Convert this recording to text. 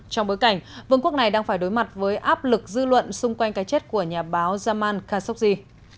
trong bối cảnh vương quốc này đang phải đối mặt với áp lực dư luận xung quanh cái chết của nhà báo zaman khashoggi